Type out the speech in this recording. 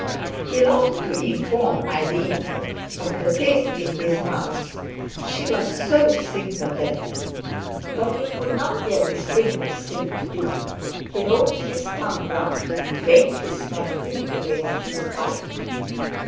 He longed to inform Irene of the taste in his mouth—she was so sympathetic—but it would not be a distinguished thing to do; he rolled his tongue round, and faintly smacked it against his palate.